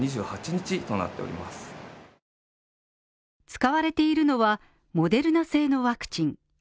使われているのはモデルナ製のワクチン。